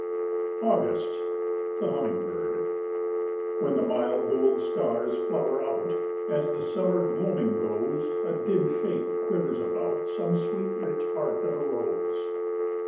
August. The humming bird. "When the mild gold stars flower out, As the summer gloaming goes, A dim shape quivers about Some sweet rich heart of a rose.